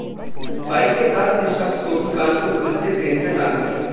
bike के साथ इस शख्स को भी कानपुर पुलिस ने क्रेन से टांग दिया